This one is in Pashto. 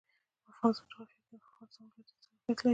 د افغانستان جغرافیه کې د افغانستان ولايتونه ستر اهمیت لري.